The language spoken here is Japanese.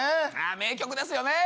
名曲ですよね。